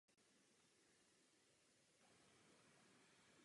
K Adamovi si vytvoří silnější pouto.